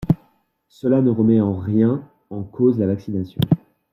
Cela ne remet en rien en cause la vaccination.